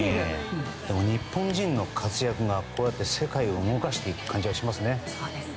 日本人の活躍が世界を動かしていく感じがしますね。